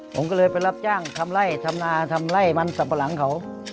ผมก็เลยไปรับจ้างทำไล่ทำนาทำไล่มันสับปะหลังเขา